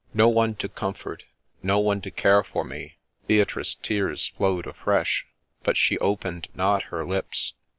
— No one to comfort, no one to care for me !'— Beatrice's tears flowed afresh, but she opened not her lips.